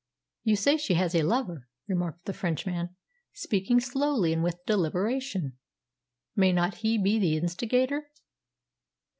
"You say she has a lover," remarked the Frenchman, speaking slowly and with deliberation. "May not he be the instigator?"